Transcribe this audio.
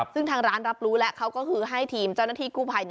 ซึ่งทางร้านรับรู้แล้วเขาก็คือให้ทีมเจ้าหน้าที่กู้ภัย